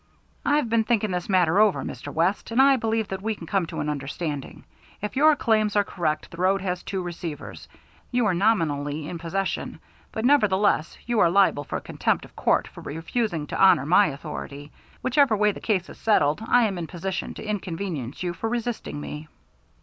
"I've been thinking this matter over, Mr. West, and I believe that we can come to an understanding. If your claims are correct, the road has two receivers. You are nominally in possession, but, nevertheless, you are liable for contempt of court for refusing to honor my authority. Whichever way the case is settled, I am in a position to inconvenience you for resisting me."